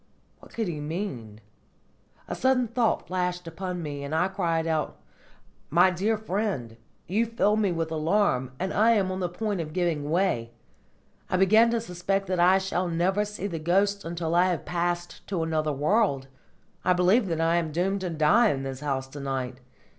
What could he mean? A sudden thought flashed upon me, and I cried aloud: "My dear friend, you fill me with alarm, and I am on the point of giving way! I begin to suspect that I shall never see the ghosts until I have passed to another world. I believe that I am doomed to die in this house to night!